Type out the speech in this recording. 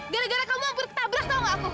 gara gara kamu ampun ketabrak tau gak aku